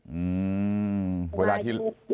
อืมเวลาที่